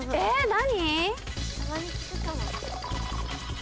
何？